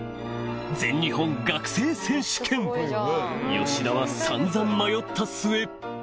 吉田は散々迷った末一緒に